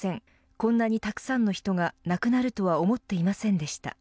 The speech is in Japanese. こんなにたくさんの人が亡くなるとは思っていませんでした。